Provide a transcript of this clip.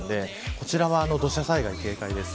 こちらは土砂災害、警戒です。